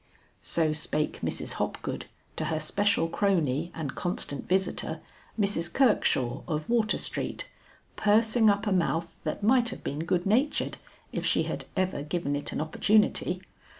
So spake Mrs. Hopgood to her special crony and constant visitor, Mrs. Kirkshaw of Water Street, pursing up a mouth that might have been good natured if she had ever given it an opportunity.